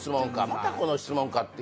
「またこの質問か」って。